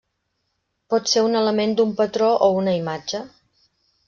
Pot ser un element d'un patró o una imatge.